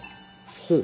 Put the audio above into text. ほう。